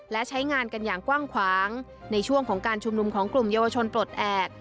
และใช้งานกันอย่างกว้างขวางในช่วงของการชุมนุมของกลุ่มเยาวชนปลดแอบ